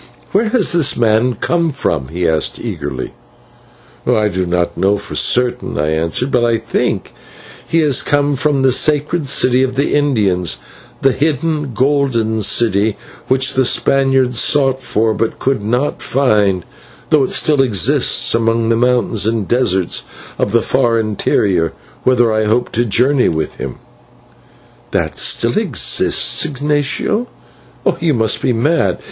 "Where has this man come from?" he asked, eagerly. "I do not know for certain," I answered, "but I think that he has come from the sacred city of the Indians, the hidden Golden City which the Spaniards sought for but could not find, though it still exists among the mountains and deserts of the far interior, whither I hope to journey with him." "That still exists! Ignatio, you must be mad.